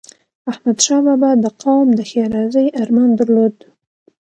احمدشاه بابا د قوم د ښېرازی ارمان درلود.